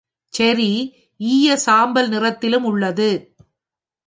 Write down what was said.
செரி, ஈய சாம்பல் நிறத்திலும் உள்ளது.